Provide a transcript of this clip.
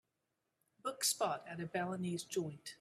book spot at a balinese joint